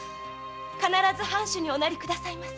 必ず藩主におなり下さいませ。